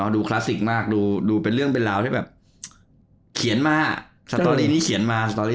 คลาสสิกมากดูเป็นเรื่องเป็นราวที่แบบเขียนมาสตอรี่ที่เขียนมาสตอรี่